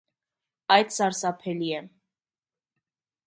այդ սարսափելի է…